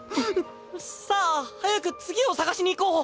さあ早く次を捜しに行こう！